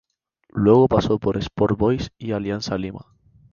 Luego pasó por Sport Boys y Alianza Lima.